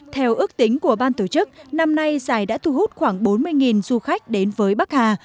theo ước tính của ban tổ chức năm nay giải đã thu hút khoảng bốn mươi du khách đến với bắc hà